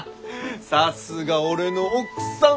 さすが俺の奥さん！